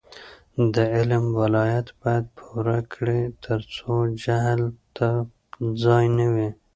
د علم ولایت باید پوره کړي ترڅو جهل ته ځای نه وي.